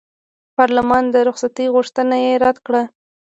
پارلمان د رخصتۍ غوښتنه یې رد کړه.